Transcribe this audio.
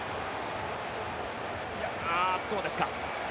ああ、どうですか？